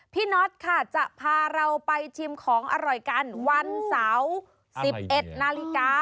น็อตค่ะจะพาเราไปชิมของอร่อยกันวันเสาร์๑๑นาฬิกา